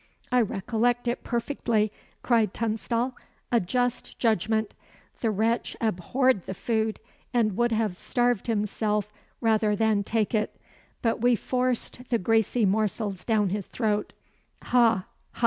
"I recollect it perfectly," cried Tunstall, "a just judgment. The wretch abhorred the food, and would have starved himself rather than take it; but we forced the greasy morsels down his throat. Ha!